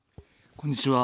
こんにちは。